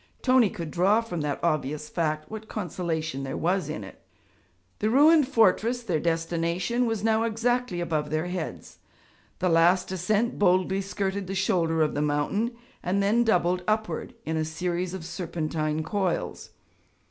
Tony could draw from that obvious fact what consolation there was in it. The ruined fortress, their destination, was now exactly above their heads. The last ascent boldly skirted the shoulder of the mountain, and then doubled upward in a series of serpentine coils.